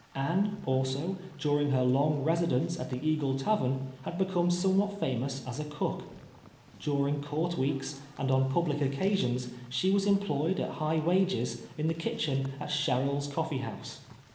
Anne, also, during her long residence at the Eagle Tavern, had Ix'come somewhat famous as a cook. During court Aveeks, and on public occasions, she was employed at high wages in the kitchen at Sherrill's Coffee House.